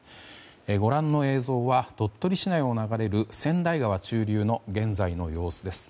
ご覧の映像は鳥取市内を流れる千代川中流の現在の様子です。